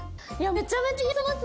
めちゃめちゃしたいです。